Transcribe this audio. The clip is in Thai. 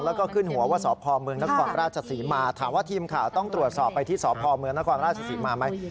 แล้วก็ขึ้นหัวว่าสพเมืองนครราชศรีมาถามว่าทีมข่าวต้องตรวจสอบไปที่สพเมืองนครราชศรีมาไหม